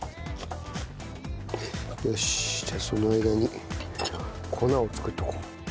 よしじゃあその間に粉を作っとこう。